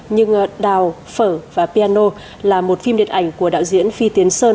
nhưng đào phở và piano là một phim điện ảnh của đạo diễn phi tiến sơn